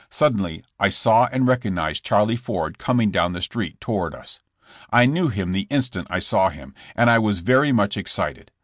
Suddenly I saw and recognized Charlie Ford coming down the street toward us. I knew him the instant I saw him, and I was very much excited.